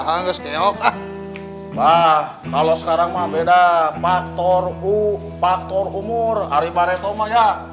pak kalau sekarang beda faktor umur dari pak retomo ya